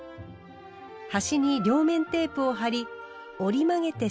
端に両面テープを貼り折り曲げて接着。